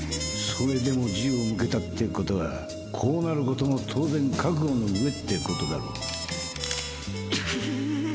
それでも銃を向けたってことはこうなることも当然覚悟の上ってことだ。